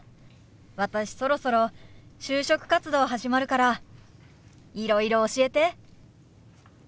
私そろそろ就職活動始まるからいろいろ教えて。